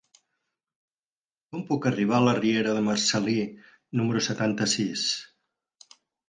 Com puc arribar a la riera de Marcel·lí número setanta-sis?